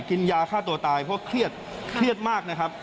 กินยาฆ่าตัวตายเพราะเครียดมากนะครับ